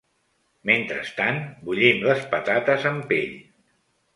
Mentrestant, bullim les patates amb pell.